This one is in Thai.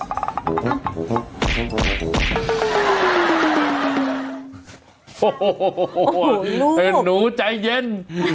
โอ้โหลูกหนูใจเย็น